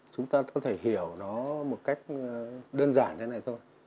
chúng ta có thể hiểu nó một cách đơn giản như thế này thôi